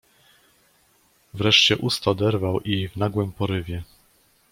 Wreszcie usta oderwał i, w nagłym porywie